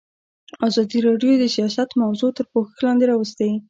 ازادي راډیو د سیاست موضوع تر پوښښ لاندې راوستې.